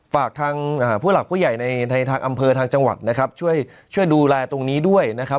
ฝากทางผู้หลักผู้ใหญ่ในทางอำเภอทางจังหวัดนะครับช่วยช่วยดูแลตรงนี้ด้วยนะครับ